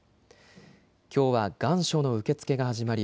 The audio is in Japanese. きょうは願書の受け付けが始まり